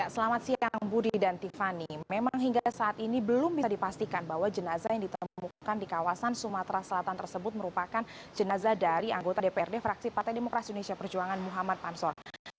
selamat siang budi dan tiffany memang hingga saat ini belum bisa dipastikan bahwa jenazah yang ditemukan di kawasan sumatera selatan tersebut merupakan jenazah dari anggota dprd fraksi partai demokrasi indonesia perjuangan muhammad pansor